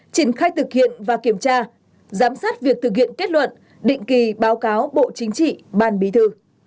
triển khai thực hiện và kiểm tra giám sát việc thực hiện kết luận định kỳ báo cáo bộ chính trị ban bí thư